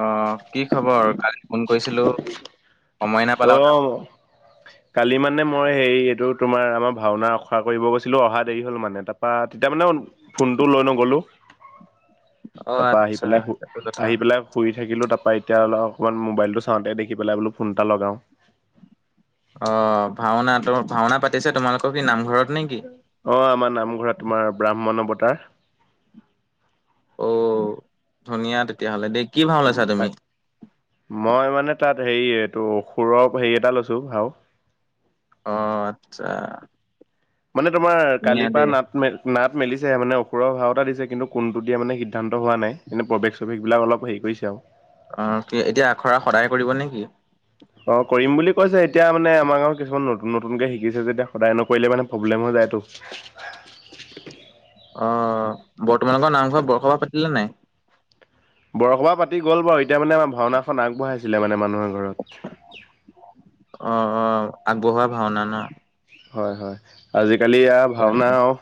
আহ কি খবৰ কালি ফোন কৰিছিলো। সময় নাপালাও তুমি অ', [unintelligible] কালি মানে মই হেৰি এইটো তোমাৰ আমাৰ ভাওনা ৰসা কৰিব গৈছিলোঁ অহা দেৰি হ'ল মানে তাৰপৰা তেতিয়া মানে ফোনটো লৈ নগ'লো [inaudible] অ তাৰপা আহি আচ্ছা পেলাই সেইটো কথা আহি পেলাই শুই থাকিলো ত [unintelligible] ত এতিয়া অ অকমান মোবাইল টো চাওঁতে দেখি পেলাই বোলো ফোন এটা লগাও [unintelligible] অ ভাওনা ত ভাওনা পাতিছে তোমালোকৰ কি নামঘৰত নে কি অ আমাৰ নামঘৰত তোমাৰ ব্ৰাহ্মণ অৱতাৰ। অ ধুনীয়া তেতিয়াহ'লে দেই। কি ভাও উ লৈছা তুমি তাক মই মানে তাত হেৰি এইটো সুৰৰ হেৰি এটা লৈছো ভাও অ আচ্ছা মানে, তোমাৰ ধুনীয়া কালি পৰা দেই নাট, নাট মেলিছে। মানে, ওপৰৰ ভাও এটা দিছে। কিন্তু, কোনটো দিয়া মানে, সিদ্ধান্ত হোৱা নাই। এনে, প্ৰৱেশ, চৱেশবিলাক অলপ হেৰি কৰিছে আৰু। অ কি এতিয়া আখৰা সদায় [unintelligible] অ'! কৰিম বুলি কৈছে। এতিয়া মানে, আমাৰ গাঁৱত কিছুমান নতুন, নতুনকে শিকিছে। যেতিয়া, সদায় নকৰিলে মানে প্ৰব্লেম হৈ যায়। সেইটো। অ'! বৰ্তমানৰ নামঘৰত বৰসবাহ পাতিলে নাই? বৰসবাহ পাতি গ'ল বাৰু। এতিয়া মানে, আমাৰ ভাওনাখন আগবঢ়াইছিলে মানে, মানুহৰ ঘৰত। অ'! অ'! আগবঢ়োৱা ভাওনা ন'। হয়, হয়। আজি আজিকালি ঠিকে ভাওনা আছে আৰু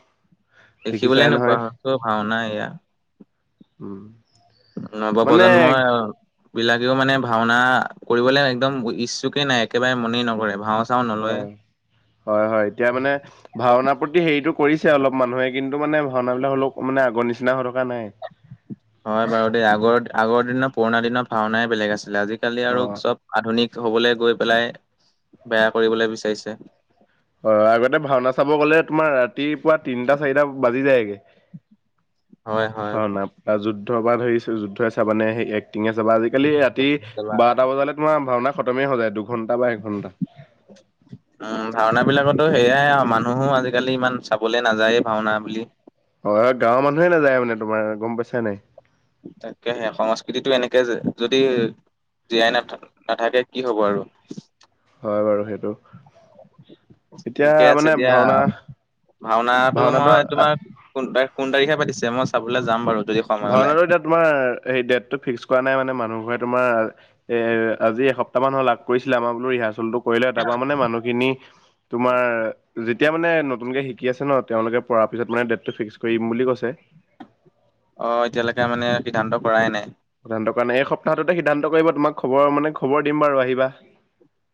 দেখিবলে দেখিছাই নোপোৱা নহয়। হৈছো ভাওনা উম! নৱ মানে প্ৰজন্মই বিলাকেও মানে, ভাওনা কৰিবলৈ একদম ইচ্ছুকে নাই। একেবাৰে মনেই নকৰে। ভাও চাও নলয়। হয়, হয়, হয়। এতিয়া মানে, ভাওনা প্ৰতি হেৰিটো কৰিছে অলপ মানুহে। কিন্তু মানে, ভাওনা বিলাক হ'লেও মানে, আগৰ নিচিনা হ' হয় বাৰু দেই। আগৰ, আগৰ দিনৰ, পুৰণা দিনৰ ভাওনাই বেলেগ আছে। আজিকালি অ আৰু চব আধুনিক। হবলৈ গৈ পেলাই, বেয়া কৰিবলৈ বিচাৰিছে। অ'! আগতে ভাওনা চাব গ'লে, তোমাৰ ৰাতিপুৱা তিনটা, চাৰিটা বাজি যায়গে। হয় হয়। ভাওনা যুদ্ধৰ পৰা ধৰিছোঁ। যুদ্ধ চাবানে সেই এক [unintelligible] চাবা। আজিকালি ৰাতি, বাৰটা বজালে তোমাৰ ভাওনা খতমেই হৈ যায়, দুঘণ্টা বা একঘণ্টা। এইবিলাকতো সেয়াই আৰু মানুহো আজিকালি ইমান চাবলৈ নাযায় ভাওনা বুলি। অ'! গাঁৱৰ মানুহে নাযায় মানে, তোমাৰ গম পাইছা নাই। তাকেহে, সংস্কৃতিটো এনেকে যদি জীয়াই নাথ, নাথাকে কি হ'ব আৰু। হয় বাৰু সেইটো। এতিয়া ঠিকেই আছোঁ মানে দিয়া। ভাওনা ভাওনাাটো ভাওনাটো মই, তোমাৰ কোন তাৰিখ, কোন তাৰিখে পাতিছে মই চাবলৈ যাম বাৰু। যদি সময় ওলাই ভাওনাটো এতিয়া তোমাৰ, এই ডেটো ফিক্স হোৱা নাই মানে। মানুহ বোৰে তোমাৰ এ, আজি এসপ্তাহ মান হ'ল [unintelligible] কৰিছিলে। আমাৰ বোলো ৰিহাৰ্চেলটো কৰিলে তাৰপা মানে, মানুহখিনি তোমাৰ যেতিয়া মানে, নতুনকে শিকি আছে ন'! তেওঁলোকে পৰা পিছত মানে, ডেটটো ফিক্স কৰিম বুলি কৈছে। [inaudible] অ'! এতিয়ালৈকে মানে সিদ্ধান্ত কৰাই নাই। এসপ্তাহতে সিদ্ধান্ত কৰিব, তোমাক খবৰ মানে, খবৰ দিম বাৰু আহিবা।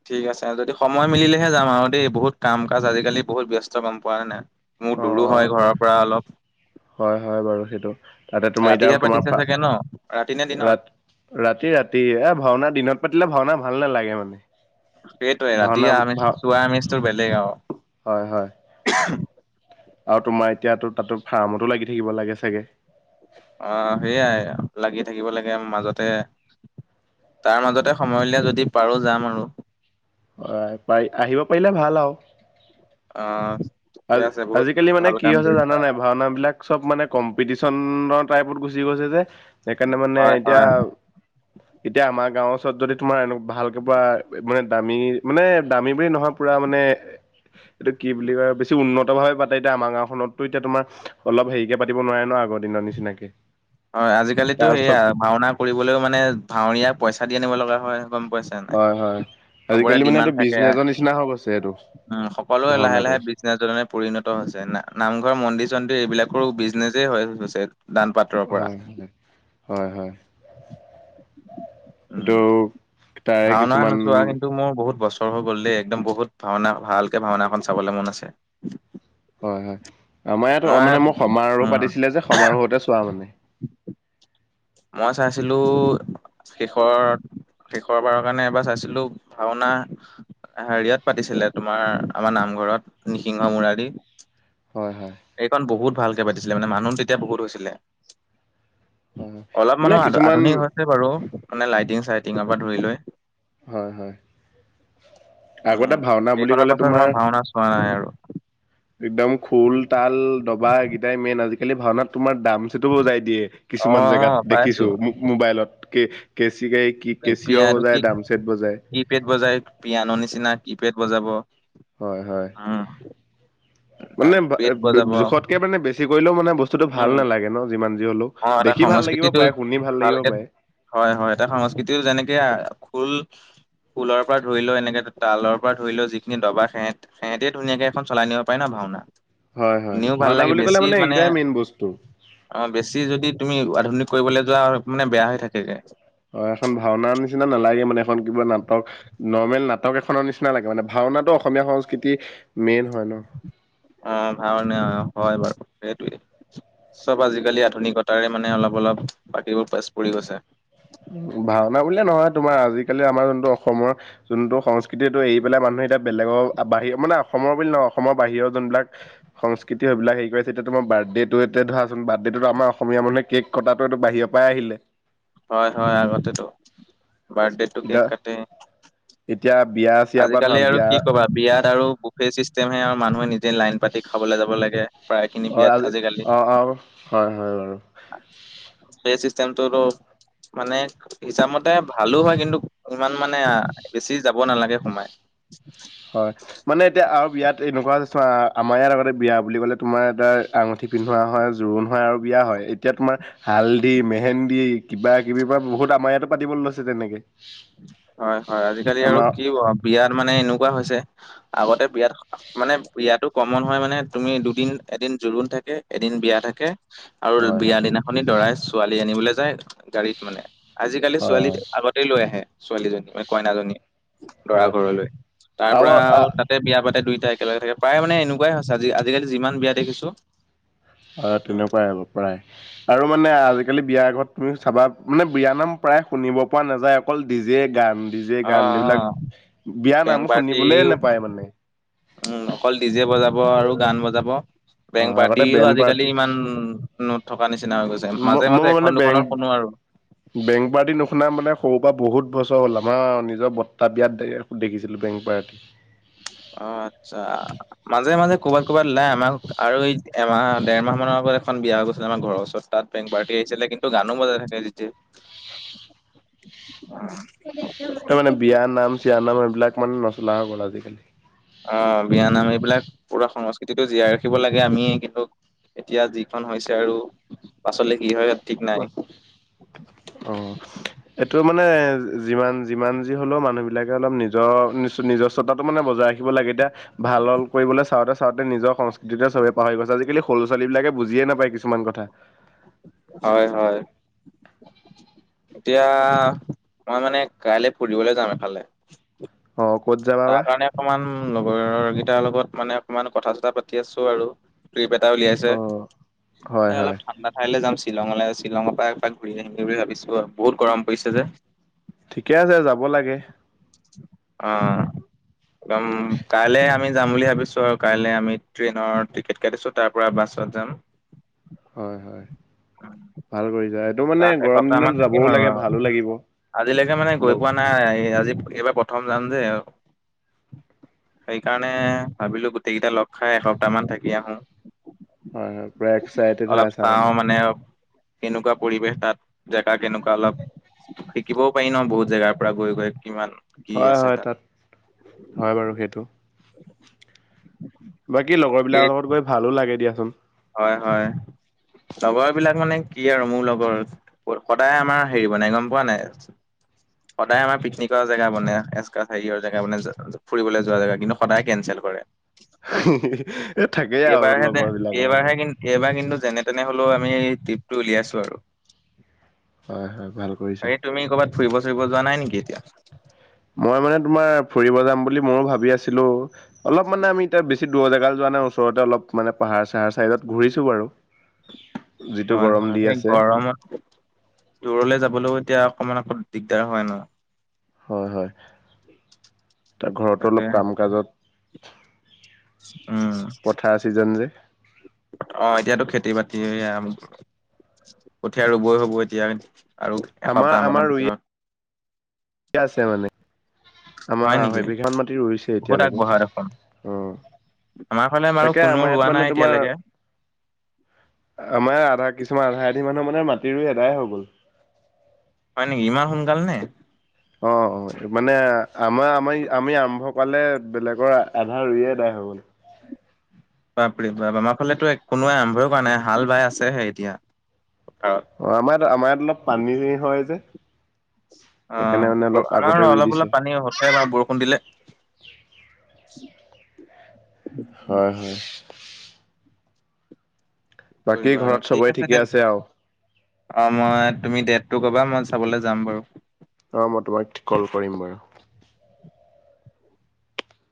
ঠিক আছে। যদি সময় মিলিলেহে যাম আৰু দেই। বহুত কাম কাজ আজিকালি, বহুত ব্যস্ত গম পোৱা নাই। মোৰ অ দূৰো হয় ঘৰৰ পৰা অলপ। হয়, হয়, বাৰু সেইটো। তাতে, তোমাৰ ৰাতিহে এতিয়া পাতিছে তোমাৰ চাগে ন ৰাতি নে দিনত ৰাতি, ৰাতি, ৰাতি, এ, ভাওনা দিনত পাতিলে ভাওনা ভাল নালাগে মানে। সেইটোৱে, ৰাতি ভাওনা আমি ভাও চোৱা আমেজটো বেলেগ হয় হয় আৰু। আৰু তোমাৰ এতিয়াতো তাতো ফাৰ্মতো লাগি থাকিব লাগে চাগে। অ সেইয়াই লাগি থাকিব লাগে। মাজতে তাৰ মাজতে, সময় উলিয়াই যদি পাৰোঁ যাম আৰু। হয়। পাৰ আহিব পাৰিলে ভাল আৰু। অ'! আ ঠিকে আছে বহুত আজিকালি মানে, ভাল কি কাম হৈছে কৰিছা জানা নাই! ভাওনা বিলাক চব মানে কম্পিটিচন টাইপত গুচি গৈছে যে। সেইকাৰণে মানে, হয় এতিয়া হয় এতিয়া আমাৰ গাঁৱৰ ওচৰত যদি তোমাৰ, এনে ভালকে পোৱা মানে, দামী মানে, দামী বুলি নহয়। পুৰা মানে, এইটো কি বুলি কয়? বেছি উন্নত ভাৱে পাতে এতিয়া আমাৰ গাঁওখনতটো এতিয়া তোমাৰ অলপ হেৰিকে পাতি নোৱাৰে ন আগৰ দিনৰ নিচিনাকে। হয় আজিকালিতো তাৰ সেইয়া চব ভাওনা কৰিবলৈও মানে ভাওৰীয়াক পইচা দি আনিব লগা হয়। পাইছা নাই। হয় হয় চবৰে আজিকালি মানে ডিমাণ্ড এইটো থাকে বিজনেজৰ নিচিনা হৈ গৈছে এইটো। উম সকলোৱে লাহে ভাওনাটো লাহে বিচনেচলৈ পৰিণত হৈছে ন নামঘৰ মন্দিৰ। চন্দিৰ এইবিলাকৰো বিজনেচে হৈ আছে দানপাত্ৰ। হয় হয় হয় এইটো উম তাৰে ভাওনা কিছুমান নোচোৱা কিন্তু মোৰ বহুত বছৰ হৈ গ'ল দেই একদম বহুত ভাওনা ভালকে ভাওনা এখন চাবলৈ মন আছে হয় হয় আমাৰ ইয়াত মই মানে মোক সমাৰোহ উম পাতিছিলে যে সমাৰোহতে চোৱা মানে মই চাইছিলো শেষৰত শেষৰবাৰৰ কাৰণে এবাৰ চাইছিলো ভাওনা অ হেৰিয়ত পাতিছিলে তোমাৰ আমাৰ নামঘৰত নিসিংহ মুৰাৰদী হয় হয় এইখন বহুত ভালকে পাতিছিলে মানে মানুহ তেতিয়া বহুত হৈছিলে হয় হয় অলপ মানে মানুহ আ কিছুমান আধুনিক হৈছে বাৰু মানে লাইটিং চাইটিঙৰ পৰা ধৰি লৈ হয় হয় আগতে উম। ভাওনা বুলি সেইখনৰ কলে পাছত তোমাৰ মই ভাওনা চোৱা নাই আৰু একদম খোল তাল ডবা এইকেইটাই মেইন আজিকালি আজিকালি ভাওনাত তোমাৰ ডাম চেটো বজাই দিয়ে অ কিছুমান অ জেগাত দেখিছো পাইছো মো মোবাইলত কে কেচি গাই কি কেচিও পিয়াটো বজাই ডাম চেট কি পেড বজাই পিয়া ন নিচিনা কি পেড বজাব হয় হয় উম তাৰ মানে পেট বজাব জো জোখতকে মানে বেছি কৰিলেও মানে বস্তুতটো ভাল উম নালাগে ন যিমান যি হলো অ এটা সংস্কৃতিটো লাগিব ভালকে পাৰে হয় হয় এটা সংস্কৃতিও যেনেকে ফুল অচ। ফুলৰ পৰা ধৰি লৈ এনেকে তালৰ পৰা ধৰি লও যিখিনি ডবা সেহঁত সেহঁতে ধুনীয়াকে এখন চলাই নিব পাৰে ন ভাওনা। হয় হয় শুনিও ভাল ভাওনা লাগে বুলি ক'লে বেছি মানে এইকেইটাই মেইন বস্তু। অ। বেছি যদি তুমি আধুনিক কৰিবলে যোৱা মানে বেয়া হৈ থাকেগে। খন কিবা নাটক নৰ্মেল নাটক এখনৰ নিচিনা লাগে মানে ভাওনাটো অসমীয়া সংস্কৃতিৰ মেইন হয়। হেল্ল। অ ভাওনা হয় বাৰু সেইটোৱে। চব আজিকালি আধুনিকতাৰে মানে অলপ অলপ বাকীবোৰ পিচ পৰি গৈছে। ভাওনা বুলিয়ে নহয় তোমাৰ আজিকালি আমাৰ যোনটো অসমৰ যোনটো সংস্কৃতিটো এৰি পেলাই মানুহ। এতিয়া বেলেগৰ বাহিৰ মানে অসমৰ বুলি নহয় অসমৰ বাহিৰৰ যোনবিলাক সংস্কৃতি সেইবিলাক হেৰি কৰিছে এতিয়া অসমৰ। বাৰ্থডেটো এতিয়া ধৰাচোন বাৰ্থডে টো আমাৰ অসমীয়া মানুহে কেক কটাটো এইটো বাহিৰৰ পৰাই আহিলে। হয় হয় আগতেতো বাৰ্থডেটো কেক এতিয়া কাটে। এতিয়া বিয়া চিয়াৰ পৰা ধৰা আজিকালি আৰু বিয়া কি কবা বিয়াত আৰু কুফে চিষ্টেম হে আৰু মানুহে নিজে। নিজে লাইন পাতি খাবলৈ যাব লাগে প্ৰায় খিনি অ বিয়াত আজি আজিকালি। অ অ হয় হয় বাৰু। এই চিষ্টমটো টো। মানে হিচাপমতে ভালো হয় কিন্তু ইমান মানে বেছি যাব নালাগে সোমাই। [unintelligible] হয় মানে এতিয়া আৰু বিয়াত এনেকুৱা চোৱা আমাৰ ইয়াত আগতে বিয়া বুলি কলে তোমাৰ এটা আঙুঠি। পিন্ধোৱা হয় জোৰোণ হয় আৰু বিয়া হয় এতিয়া তোমাৰ হালধি মেহেন্দি কিবা কিবি পৰা বহুত। আমাৰ ইয়াতো পাতিব লৈছে তেনেকে। হয় হয় আজিকালি আৰু আমাৰ কি আও বিয়াত মানে এনেকুৱা হৈছে আগতে বিয়াত। মানে বিয়াটো কমন হয় মানে তুমি দুদিন এদিন জুৰোণ থাকে এদিন বিয়া থাকে। আৰু হয় বিয়া হয় দিনাখনি দৰাই ছোৱালী আনিবলৈ যায় গাড়ীত মানে। আজিকালি ছোৱালী হয় আগতেই লৈ আহে ছোৱালীজনী মানে কইনাজনী। লৰা হয় হয় ঘৰলৈ তাৰ পৰা আৰু তাতে বিয়া পাতে দুই। একেলগে থাক প্ৰায় মানে এনেকুৱাই হৈছে আজিকালি। যিমান বিয়া দেখিছো অ তেনেকুৱাই আৰু প্ৰায় আৰু মানে আজিকালি। বিয়াৰ ঘৰত তুমি চাবা মানে বিয়ানাম প্ৰায় শুনিব পৰা নাযায় অকল ডিজে গান। ডিজে অ গান এইবিলাক বিয়া বেংক নাম শুনিবলে পাৰ্টিও নেপায় মানে। উম অকল ডিজে বজাব আৰু গান বজাব। অ বেংক আগতে বাদিও বেণ্ড আজিকালি পাৰ্টি ইমান নট থকা নিচিনা হৈ গৈছে। মাজে মাজে মই এখন মানে দুখনৰ বেং শুনো আৰু। বেংক বাদি নুশুনা মানে সৰু পৰা বহুত বছৰ ওলাম। আমাৰ নিজৰ বৰ্তা বিয়াত দে দেখিছিলো বেংক পাৰ্টি। অ আচ্ছা মাজে মাজে কৰ'বাত কৰবাত ওলাই আমাক আৰু এই এমাহ দেৰ মাহ মানৰ। টো এখন বিয়া হৈ গৈছিলে। আমাৰ ঘৰৰ ওচৰত তাত বেং পাৰ্টি আহিছিলে কিন্তু গানো বজাই থাকে যেতিয়াই। উম। ত মানে বিয়া নাম চিয়া নাম সেইবিলাক মানে নচলা হৈ গ'ল আজিকালি। অ বিয়ানাম এইবিলাক পুৰা সংস্কৃতিটো জীয়াই ৰাখিব লাগে। আমি কিন্তু এতিয়া যিখন হৈছে আৰু পাছলে কি হয়। ঠিক নাই কোৱা? অ এইটো ৰোমত মানে যিমান যিমান যি হলেও মানুহ বিলাকে অলপ নিজৰ নি নিজস্বতাটো মানে বজাই ৰাখিব লাগে। এতিয়া ভাল হল কৈবলে চাওঁচাওঁতে নিজৰ সংস্কৃতিতে চবে পাহৰি গৈছে। আজিকালি সৰু ছোৱালী বিলাকে বুজিয়ে নাপায়। কিছুমান কথা। হয় হয়। এতিয়া মই মানে কাইলে ফুৰিবলৈ যাম এফালে। অ', ক'ত যাবা তাৰ বা কাৰণে অকণমান লগৰৰ কেইটাৰ লগত মানে অকমান কথা চথা পাতি আছো আৰু। ট্ৰিপ এটা উলিয়াইছে। অ', হয় এ হয় অলপ ঠাণ্ডা ঠাইলে যাম। শ্বিলঙলে শ্বিলঙ পা এপাক ঘূৰি আহিমগে বুলি ভাবিছো আৰু বহুত গৰম পৰিছে যে। ঠিকে আছে যাব লাগে। অ একদম কাইলে আমি যাম বুলি ভাবিছো আৰু কাইলৈ আমি ট্ৰেইনৰ টিকেট কাটিছো তাৰ পৰা বাছত যাম। [inaudible] হয় হয়। ভাল কৰিছা। এইটো মানে তাত গৰম এসপ্তাহ মান দিনত থাকিম যাবও আৰু লাগে আৰু ভালো লাগিব। আজিলৈকে মানে গৈ লগ পোৱা নাই। আজি এইবাৰ প্ৰথম যাম যে। সেইকাৰণে ভাবিলো গোটেই কেইটা লগ খাই এসপ্তাহ মান থাকি আহো। হয় হয় পুৰা এক্সাইটেড হৈ অলপ আছা চাও মানে। কেনেকুৱা পৰিৱেশ তাত জেগা কেনেকুৱা অলপ। শিকিবও পাৰি ন বহুত জেগাৰ পৰা গৈ গৈ কিমান কি হয় আছে হয় তাত। হয় বাৰু সেইটো। বাকী লগৰ বিলাকৰ লগত গৈ ভালো লাগে দিয়াচোন। হয় হয়। লগৰ বিলাক মানে কি আৰু মোৰ লগৰ সদায় আমাৰ হেৰি বনাই গম পোৱা নাই। সদায় আমাৰ পিকনিকৰ জেগা বনে এচকাচ সেইয়ৰ জেগা বনে যে যে ফুৰিবলে যোৱা জেগা কিন্তু সদায় কেঞ্চেল কৰে। থাকেই আও এইবাৰহে যে লগৰ বিলাক। এইবাৰহে কিন্ এইবাৰ কিন্তু যেনে তেনে হলেও আমি ট্ৰিপটো উলিয়াইছো আৰু। হয় হয় ভাল কৰিছা। বাকী তুমি ক'ৰবাত ফুৰিব চুৰিব যোৱা নাই নেকি এতিয়া? মই মানে তোমাৰ ফুৰিব যাম বুলি মও ভাবি আছিলো। অলপ মানে আমি এতিয়া বেছি দূৰ জেগালে যোৱা মানে ওচৰতে অলপ মানে পাহাৰ চাহাৰ চাইডত ঘূৰিছো বাৰু। যিটো হয় গৰম হয় দি এই আছে গৰমত দূৰলে যাবলৈও এতিয়া অকমান আকৌ দিগদাৰ হয় ন। হয় হয় তাৰ ঘৰতো তাকে অলপ কাম কাজত উম পথাৰ ছিজন যে অ এতিয়াতো খেতি বাতি আম কঠীয়া ৰুবই হ'ব এতিয়া। আৰু এসপ্তাহ মানৰ ভিতৰত। কিয়া আছে মানে? হয় আমাৰ নেকি? আঢ়ৈবিঘা মাটি ৰুইছে বহুত এতিয়ালৈকে আগবঢ়া দেখোন উম আমাৰ ফালে বাৰু কোনো ৰোৱা নাই তোমাৰ এতিয়ালেকে আমাৰ আধা কিছুমান আধা আধি মানুহ মানে মাটি ৰুই এদায় হৈ গ'ল হয় নেকি ইমান সোনকাল নে অ অ মানে আমাৰ আমাৰ আমি আৰম্ভ কৰালে বেলেগৰ আধা ৰুইয়ে এদাই [inaudible] [inaudible] বাপৰি বা আমাৰ ফালেতো কোনোৱে আৰম্ভয় কৰা নাই হাল বাই আছেহে এতিয়া পথাৰত। অ আমাৰ আমাৰ ইয়াত অলপ পানী হয় যে অ সেইকাৰণে মানে অলপ আগতে আমাৰ ৰুই অলপ দিছে। অলপ পানী হৈছে বা বৰষুণ দিলে [inaudible] হয় হয় বাকী কৰিব আৰু ঘৰত ঠিক চবৰে আছে ঠিকে তেন্তে আৰু? অ মই তুমি ডেটটো ক'বা মই চাবলে যাম বাৰু অ মই তোমাক কল কৰিম বাৰু